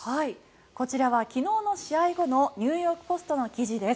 こちらは昨日の試合後のニューヨーク・ポストの記事です。